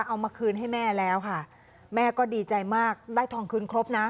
เอามาคืนให้แม่แล้วค่ะแม่ก็ดีใจมากได้ทองคืนครบนะ